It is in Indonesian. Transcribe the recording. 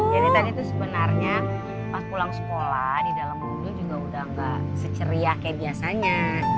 jadi tadi tuh sebenarnya pas pulang sekolah di dalam rumah dia juga udah gak seceriah kayak biasanya